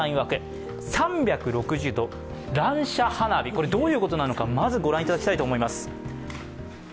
これ、どういうことなのかまずご覧いただきたいと思います。